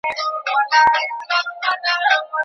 دا واعظ مي آزمېیلی په پیمان اعتبار نسته